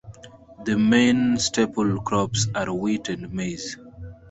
The main staple crops are wheat and maize.